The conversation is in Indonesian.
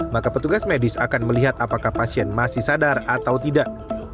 maka petugas medis akan melihat apakah pasien masih sadar atau tidak